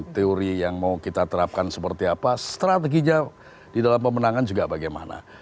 teori yang mau kita terapkan seperti apa strateginya di dalam pemenangan juga bagaimana